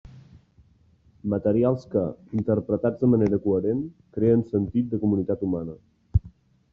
Materials que, interpretats de manera coherent, creen sentit de comunitat humana.